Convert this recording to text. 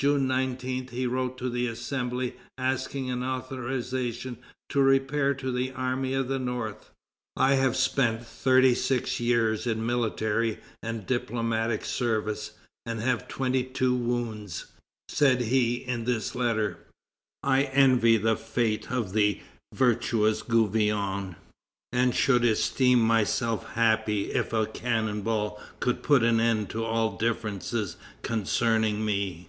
June 19, he wrote to the Assembly, asking an authorization to repair to the Army of the North. "I have spent thirty six years in military and diplomatic service, and have twenty two wounds," said he in this letter; "I envy the fate of the virtuous Gouvion, and should esteem myself happy if a cannon ball could put an end to all differences concerning me."